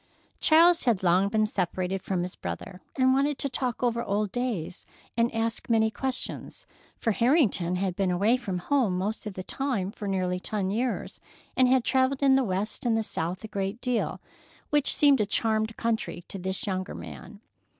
Charles had long been separated from his brother, and wanted to talk over old days and ask many questions, for Harrington had been away from home most of the time for nearly ten years and had travelled in the West and the South a great deal, which seemed a charmed country to the younger man.